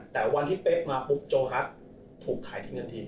แต่วันที่เป๊กมาปุ๊บโจรัสถูกขายทิ้งทันที